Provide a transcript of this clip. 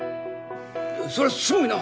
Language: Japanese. そりゃすごいな！